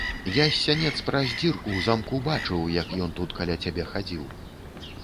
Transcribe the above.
Я з сянец праз дзірку ў замку бачыў, як ён тут каля цябе хадзіў.